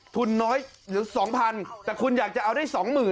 น้อยหรือ๒๐๐แต่คุณอยากจะเอาได้๒๐๐๐